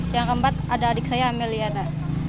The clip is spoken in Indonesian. yang keempat ada adik saya ameliana